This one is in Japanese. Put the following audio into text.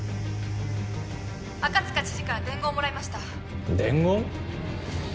赤塚知事から伝言をもらいました伝言？